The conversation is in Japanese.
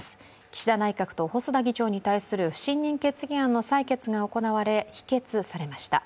岸田内閣と細田議長に対する不信任決議案の採決が行われ否決されました。